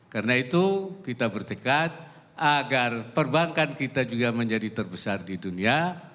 karena itu kita bertekad agar perbankan kita juga menjadi terbesar di dunia